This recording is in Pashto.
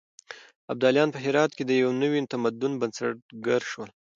ابداليان په هرات کې د يو نوي تمدن بنسټګر شول.